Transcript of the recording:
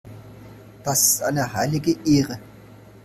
Das ist eine heilige Ehre.